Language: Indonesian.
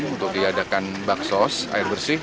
untuk diadakan baksos air bersih